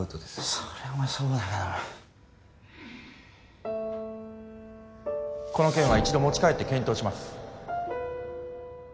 そりゃお前そうだけどこの件は一度持ち帰って検討します